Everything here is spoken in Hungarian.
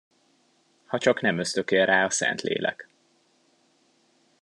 Hacsak nem ösztökél rá a Szentlélek.